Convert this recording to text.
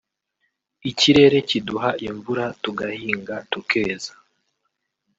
Ikirere kiduha imvura tugahinga tukeza